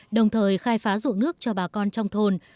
đồng thời khai phá dụng nước cho bà con trong thôn